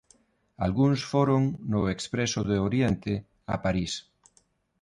Algúns foron no Expreso do Oriente a París.